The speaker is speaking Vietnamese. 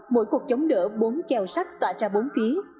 mỗi cột trống nở bốn kèo sắt tọa ra bốn phía